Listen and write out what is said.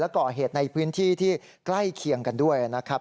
ก่อเหตุในพื้นที่ที่ใกล้เคียงกันด้วยนะครับ